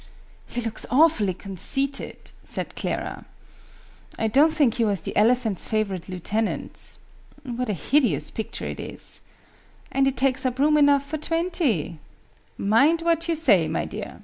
"He looks awfully conceited!" said Clara. "I don't think he was the elephant's favorite Lieutenant. What a hideous picture it is! And it takes up room enough for twenty!" "Mind what you say, my dear!"